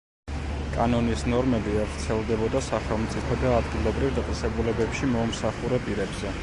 კანონის ნორმები არ ვრცელდებოდა სახელმწიფო და ადგილობრივ დაწესებულებებში მომსახურე პირებზე.